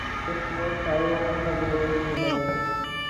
د شنو سایو ډکه بیړۍ جوړوي